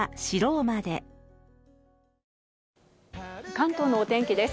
関東のお天気です。